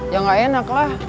ya gak enaklah